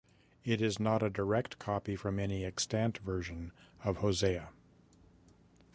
It is not a direct copy from any extant version of Hosea.